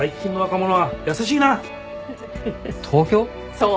そう。